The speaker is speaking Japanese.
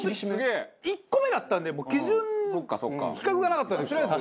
１個目だったんで基準比較がなかったのでとりあえず。